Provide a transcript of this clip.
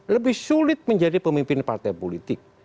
lebih sulit menjadi pemimpin partai politik